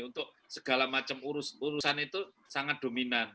untuk segala macam urusan itu sangat dominan